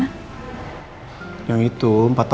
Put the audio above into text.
yang itu empat tahun lalu yang pertama aku bikinnya